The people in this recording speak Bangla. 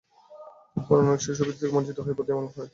তার পরও অনেক শিশু সুবিধা থেকে বঞ্চিত রয়েছে বলে প্রতীয়মান হয়।